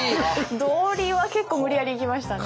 道理は結構無理やりいきましたね。